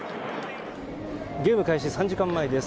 ゲーム開始３時間前です。